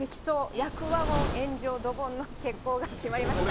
厄ワゴン炎上ドボンの決行が決まりました。